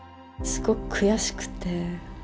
すごく悔しくて。